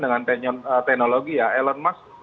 dengan teknologi ya elon musk